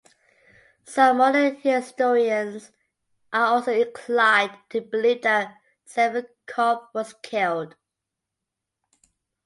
Some modern historians are also inclined to believe that Savinkov was killed.